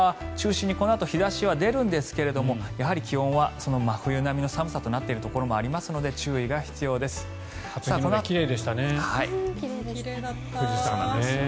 太平洋側を中心にこのあと日差しは出るんですがやはり気温は真冬並みの寒さとなっているところもあるので初日の出奇麗でしたね。